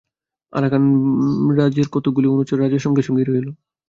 আরাকানরাজের কতকগুলি অনুচর রাজার সঙ্গে সঙ্গেই রহিল।